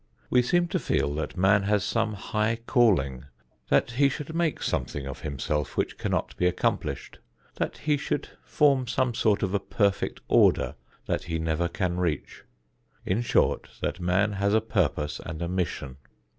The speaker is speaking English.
We seem to feel that man has some high calling; that he should make something of himself which cannot be accomplished; that he should form some sort of a perfect order that he never can reach; in short that man has a purpose and a mission.